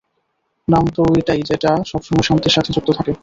নাম তো ওটাই যেটা, সবসময় শান্তির সাথে যুক্ত থাকে।